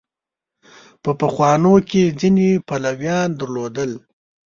په پخوانو کې ځینې پلویان درلودل.